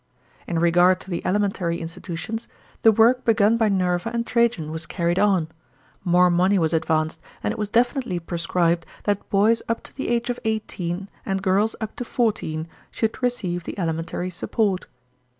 In regard to the alimentary institutions, the work begun by Nerva and Trajan was carried on. More money was advanced, and it was definitely prescribed that boys up to the age of eighteen and girls up to fourteen should receive the alimentary support.